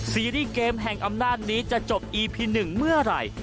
ซีรีส์เกมแห่งอำนาจนี้จะจบอีพี๑เมื่อไหร่